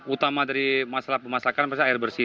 utama dari masalah pemasakan pasti air bersih